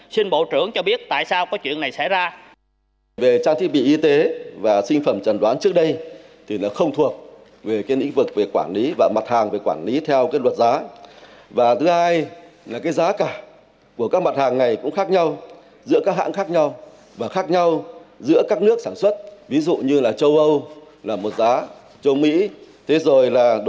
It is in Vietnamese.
xin bộ trưởng cho biết tại sao có chuyện này xảy ra